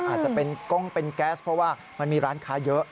อาจจะเป็นกล้องเป็นแก๊สเพราะว่ามันมีร้านค้าเยอะ